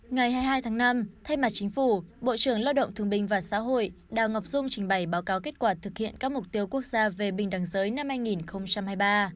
ngày hai mươi hai tháng năm thay mặt chính phủ bộ trưởng lao động thương bình và xã hội đào ngọc dung trình bày báo cáo kết quả thực hiện các mục tiêu quốc gia về bình đẳng giới năm hai nghìn hai mươi ba